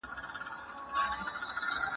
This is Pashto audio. د لیکوالو تلینونه زموږ د بیدارۍ وسیله ده.